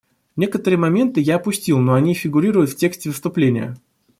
Некоторые моменты я опустил, но они фигурируют в тексте выступления.